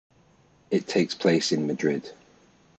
It takes place in Madrid.